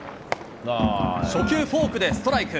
初球、フォークでストライク。